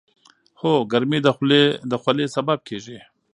هو، ګرمي د خولې سبب کېږي.